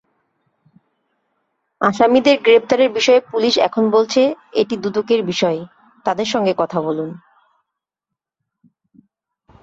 আসামিদের গ্রেপ্তারের বিষয়ে পুলিশ এখন বলছে এটি দুদকের বিষয়, তাদের সঙ্গে কথা বলুন।